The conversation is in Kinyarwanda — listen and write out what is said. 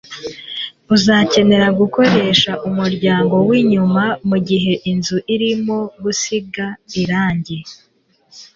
uzakenera gukoresha umuryango winyuma mugihe inzu irimo gusiga irangi